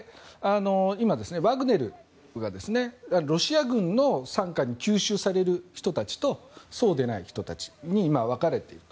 今、ワグネルがロシア軍の傘下に吸収される人たちとそうでない人たちに分かれていると。